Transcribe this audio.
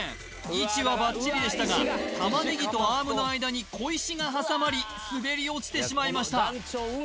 位置はバッチリでしたがタマネギとアームの間に小石が挟まり滑り落ちてしまいました